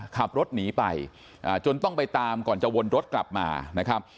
ขับรถหนีไปจนต้องไปตามก่อนจะวนรถกลับมานะครับ